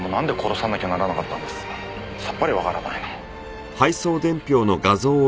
さっぱりわからないな。